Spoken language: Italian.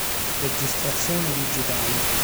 Registrazione digitale.